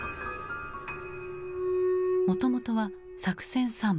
もともとは作戦参謀。